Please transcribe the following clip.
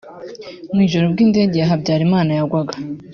Mu ijoro ubwo indege ya Habyarimana yagwaga